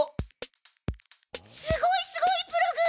すごいすごいプログ！